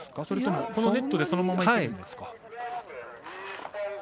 それとも、このネットでそのまま行くんですかね。